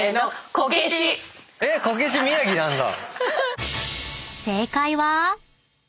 こけし宮城なんだ！